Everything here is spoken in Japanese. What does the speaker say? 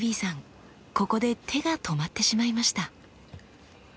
ここで手が止まってしまいました。